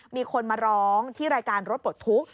มีคนมาร้องที่รายการรถปลดทุกข์